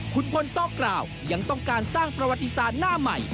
คุณพลซอกกล่าวยังต้องการสร้างประวัติศาสตร์หน้าใหม่